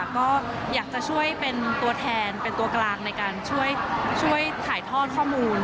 ก็อยากจะช่วยเป็นตัวแทนเป็นตัวกลางในการช่วยถ่ายทอดข้อมูล